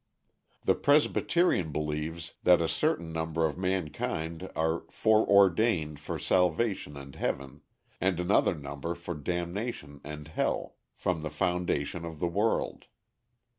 The Presbyterian believes that a certain number of mankind are foreordained for salvation and heaven, and another number for damnation and hell, from the foundation of the world.